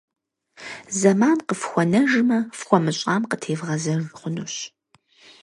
Зэман кьыфхуэнэжмэ, фхуэмыщӏам къытевгъэзэж хъунущ.